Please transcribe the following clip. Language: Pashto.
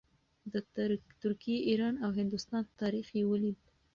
د ترکیې، ایران او هندوستان تاریخ یې ولید.